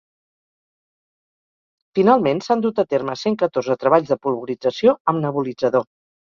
Finalment, s’han dut a terme cent catorze treballs de polvorització amb nebulitzador.